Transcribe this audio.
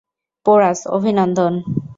Porous, অভিনন্দন!